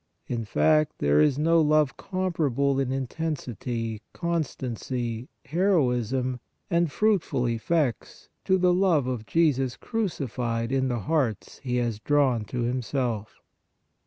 In fact, there is no 208 PRAYER love comparable in intensity, constancy, heroism, and fruitful effects to the love of Jesus crucified " in the hearts He has drawn to Himself.